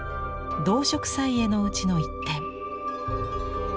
「動植綵絵」のうちの一点。